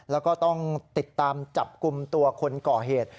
แล้วก็ต้องติดตามจับกลุ่มตัวคนก่อเหตุ